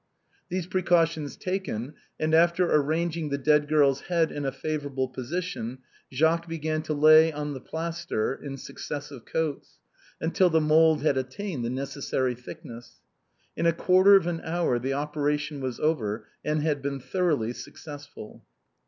These precautions taken and after arranging the dead girl's head in a favorable position, Jacques began to lay on the plaster in successive coats till the mould had at tained the necessary thickness. In a quarter of an hour the operation was over and had been thoroughly successful.